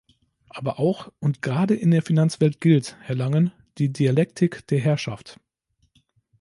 Aber auch und gerade in der Finanzwelt gilt, Herr Langen, die Dialektik der Herrschaft.